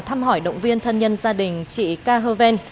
thăm hỏi động viên thân nhân gia đình chị kha hơ vên